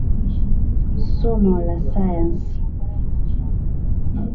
Somo la sayansi.